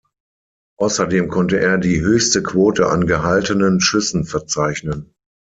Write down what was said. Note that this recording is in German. Außerdem konnte er die höchste Quote an gehaltenen Schüssen verzeichnen.